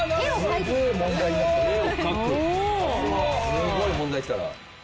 すごい問題きたな。